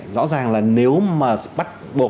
rõ ràng là nếu mà bắt buộc